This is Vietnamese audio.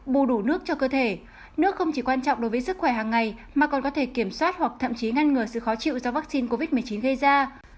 bù đủ nước cho cơ thể nước không chỉ quan trọng đối với sức khỏe hàng ngày mà còn có thể kiểm soát hoặc thậm chí ngăn ngừa sự khó chịu do vaccine covid một mươi chín gây ra